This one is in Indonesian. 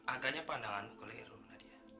agaknya pandanganmu keliru nadia